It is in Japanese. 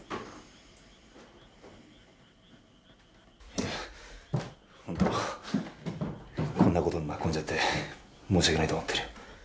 いや本当こんな事に巻き込んじゃって申し訳ないと思ってる。